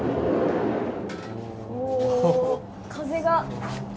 お風が。